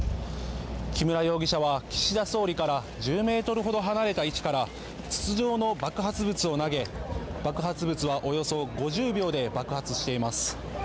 木村容疑者は岸田総理から１０ｍほど離れた位置から筒状の爆発物を投げ爆発物はおよそ５０秒で爆発しています。